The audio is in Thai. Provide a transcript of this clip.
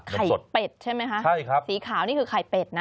เท่ากับไข่เป็ดใช่ไหมครับสีขาวนี่คือไข่เป็ดนะ